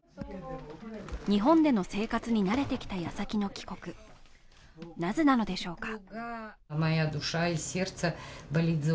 日本での生活に慣れてきたやさきの帰国、なぜなのでしょうか？